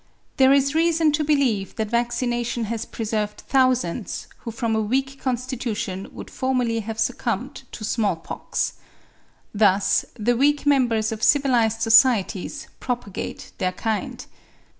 There is reason to believe that vaccination has preserved thousands, who from a weak constitution would formerly have succumbed to small pox. Thus the weak members of civilised societies propagate their kind.